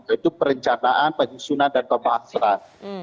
yaitu perencanaan penyusunan dan pemaksaan